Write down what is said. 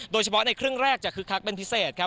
โดยเฉพาะในครึ่งแรกจะคึกคักเป็นพิเศษครับ